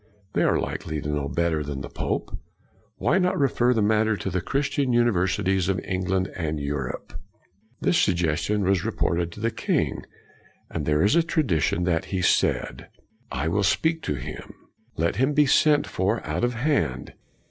They are likely to know better than the pope. Why not refer the matter to the Christian uni versities of England and Europe? This suggestion was reported to the king, and there is a tradition that he said, " I will speak to him. Let him be sent for out of hand.